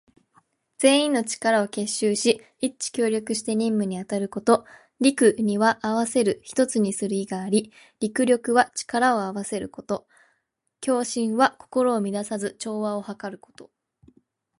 全員の力を結集し、一致協力して任務に当たること。「戮」には合わせる、一つにする意があり、「戮力」は力を合わせること。「協心」は心を乱さず、調和をはかること。